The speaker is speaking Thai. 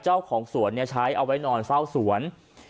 มันไปนอนเฝ้าสวน